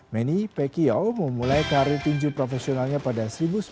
mani pekiau memulai karir tinju profesionalnya pada seribu sembilan ratus sembilan puluh lima